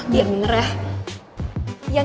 biar bener ya